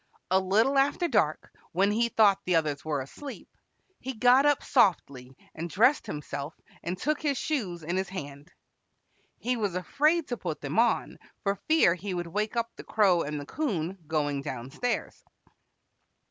A little after dark, when he thought the others were asleep, he got up softly and dressed himself and took his shoes in his hand. He was afraid to put them on, for fear he would wake up the Crow and the 'Coon going down stairs.